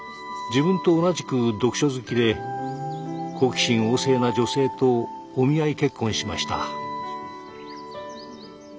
自分と同じく読書好きで好奇心旺盛な女性とお見合い結婚しました。